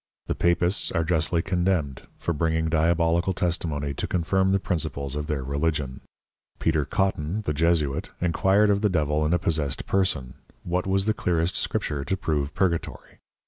The Papists are justly condemned for bringing Diabolical Testimony to confirm the Principles of their Religion. Peter Cotton the Jesuite enquired of the Devil in a possessed Person, what was the clearest Scripture to prove Purgatory.